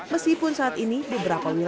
meskipun saat ini diberapa miliar